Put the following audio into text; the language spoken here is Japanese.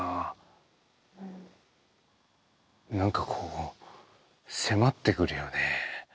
何かこう迫ってくるよね。